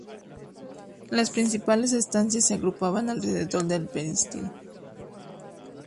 Las principales estancias se agrupaban alrededor del peristilo.